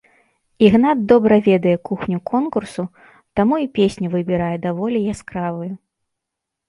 Ігнат добра ведае кухню конкурсу, таму і песню выбірае даволі яскравую.